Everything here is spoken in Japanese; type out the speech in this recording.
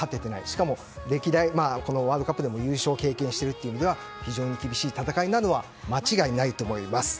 しかもこのワールドカップでも優勝を経験しているというのは非常に厳しい戦いなのは間違いないと思います。